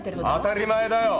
当たり前だよ。